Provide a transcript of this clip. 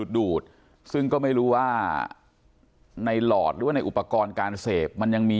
ดูดซึ่งก็ไม่รู้ว่าในหลอดหรือว่าในอุปกรณ์การเสพมันยังมี